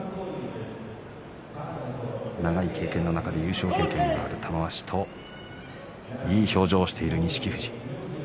長い経験の中で優勝経験のある玉鷲といい表情をしている錦富士。